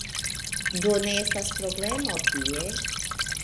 Do, ne estas problemo tie